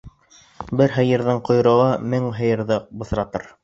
Бер һыйырҙың ҡойроғо мең һыйырҙы бысратыр.